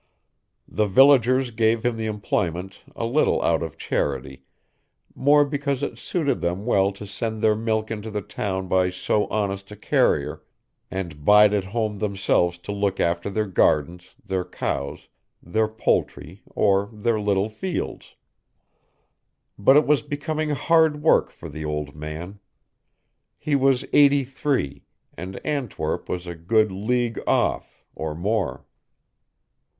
The villagers gave him the employment a little out of charity more because it suited them well to send their milk into the town by so honest a carrier, and bide at home themselves to look after their gardens, their cows, their poultry, or their little fields. But it was becoming hard work for the old man. He was eighty three, and Antwerp was a good league off, or more.